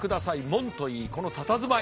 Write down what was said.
門といいこのたたずまい。